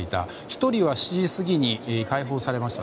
１人は７時過ぎに解放されました。